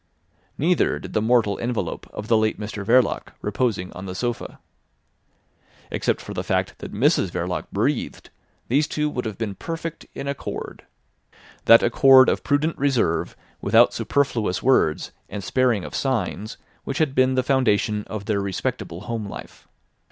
Neither did the mortal envelope of the late Mr Verloc reposing on the sofa. Except for the fact that Mrs Verloc breathed these two would have been perfect in accord: that accord of prudent reserve without superfluous words, and sparing of signs, which had been the foundation of their respectable home life.